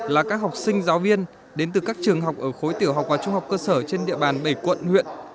là các học sinh giáo viên đến từ các trường học ở khối tiểu học và trung học cơ sở trên địa bàn bảy quận huyện